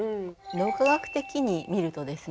脳科学的に見るとですね